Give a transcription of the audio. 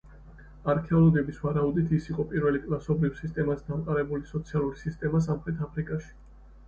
არქეოლოგების ვარაუდით, ის იყო პირველი კლასობრივ სისტემაზე დამყარებული სოციალური სისტემა სამხრეთ აფრიკაში.